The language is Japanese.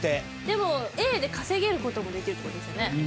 でもＡで稼げる事もできるって事ですよね。